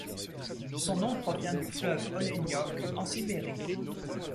Son nom provient du fleuve Oleniok en Sibérie.